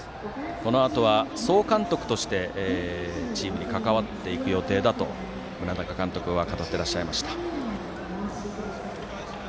このあとは総監督としてチームに関わっていく予定だと村中監督は語っていらっしゃいました。